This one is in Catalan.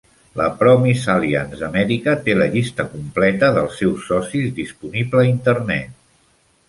La Promise Alliance d'Amèrica té la llista completa dels seus socis disponible a Internet.